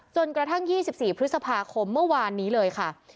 จนกระทั่ง๒๔พฤษภาคมเมื่อวานนี้เลยค่ะ